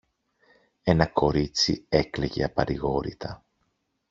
ένα κορίτσι έκλαιγε απαρηγόρητα.